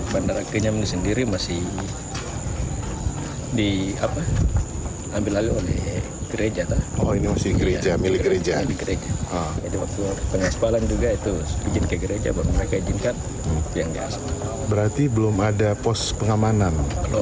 berarti belum ada pos pengamanan